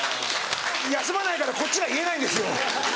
休まないからこっちが言えないんですよ。